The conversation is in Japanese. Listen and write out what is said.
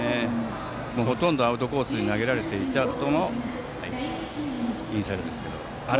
ほとんどアウトコースに投げられていたあとのインサイドですけど。